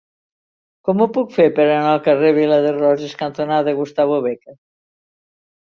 Com ho puc fer per anar al carrer Vila de Roses cantonada Gustavo Bécquer?